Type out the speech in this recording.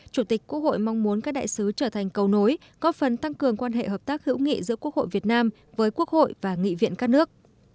chủ tịch quốc hội mong muốn các đại sứ trở thành cầu nối có phần tăng cường quan hệ hợp tác hữu nghị giữa quốc hội việt nam với quốc hội và nghị viện các nước